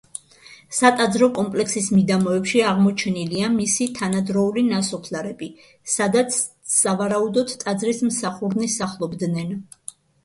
სატაძრო კომპლექსის მიდამოებში აღმოჩენილია მისი თანადროული ნასოფლარები, სადაც სავარაუდოდ ტაძრის მსახურნი სახლობდნენ.